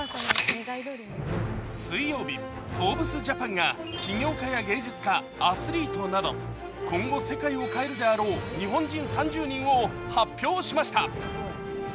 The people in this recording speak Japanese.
水曜日、「フォーブスジャパン」が起業家や芸術家アスリートなど今後、世界を変えるであろう日本人３０人を発表しました。